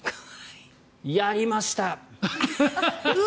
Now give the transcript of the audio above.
やりました！